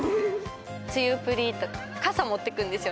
梅雨プリとか傘持っていくんですよ